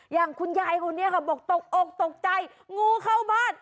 อย่างคุณยายคนนี้ค่ะบอกตกอกตกใจงูเข้าบ้าน